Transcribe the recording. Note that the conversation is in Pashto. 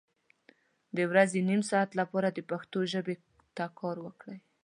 د ورځې نیم ساعت لپاره د پښتو ژبې ته کار وکړئ